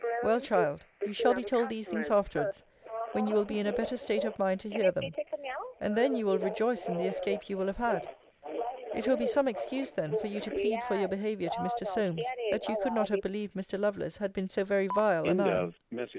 Well, child, you shall be told these things afterwards, when you will be in a better state of mind to hear them; and then you will rejoice in the escape you will have had. It will be some excuse, then, for you to plead for your behaviour to Mr. Solmes, that you could not have believed Mr. Lovelace had been so very vile a man.